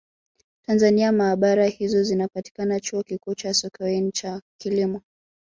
Tanzania maabara hizo zinapatikana Chuo Kikuu cha Sokoine cha Kilimo